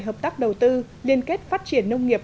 hợp tác đầu tư liên kết phát triển nông nghiệp